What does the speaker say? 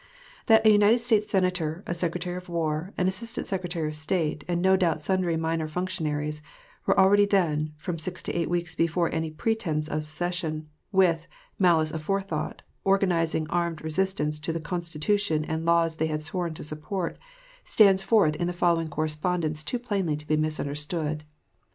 That a United States Senator, a Secretary of War, an Assistant Secretary of State, and no doubt sundry minor functionaries, were already then, from six to eight weeks before any pretense of secession, with, "malice aforethought" organizing armed resistance to the Constitution and laws they had sworn to support, stands forth in the following correspondence too plainly to be misunderstood.